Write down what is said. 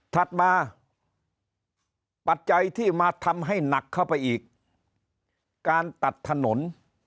ถัดมาปัจจัยที่มาทำให้หนักเข้าไปอีกการตัดถนน